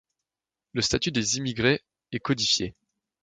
Le statut des émigrés est codifié.